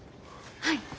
はい。